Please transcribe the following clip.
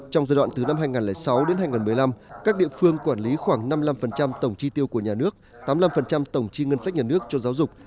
trong giai đoạn từ năm hai nghìn sáu đến hai nghìn một mươi năm các địa phương quản lý khoảng năm mươi năm tổng chi tiêu của nhà nước tám mươi năm tổng chi ngân sách nhà nước cho giáo dục